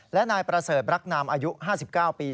และนายประเสริฐรักนามอายุ๕๙ปี